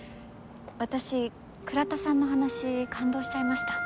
私倉田さんの話感動しちゃいました。